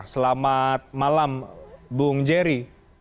selamat malam bung jerry